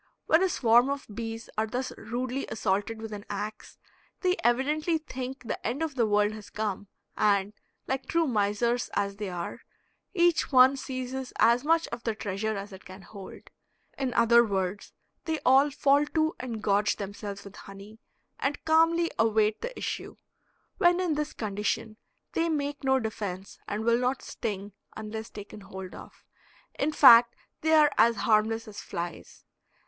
When a swarm of bees are thus rudely assaulted with an ax, they evidently think the end of the world has come, and, like true misers as they are, each one seizes as much of the treasure as it can hold; in other words they all fall to and gorge themselves with honey, and calmly await the issue. When in this condition they make no defense and will not sting unless taken hold of. In fact they are as harmless as flies.